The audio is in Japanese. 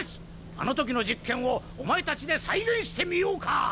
あの時の実験をお前たちで再現してみようか！